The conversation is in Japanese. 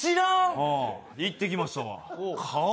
行ってきましたわ。